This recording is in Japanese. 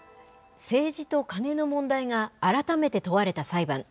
政治とカネの問題が改めて問われた裁判。